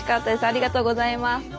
ありがとうございます。